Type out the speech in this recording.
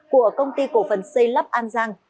của công ty cổ phần xây lắp an giang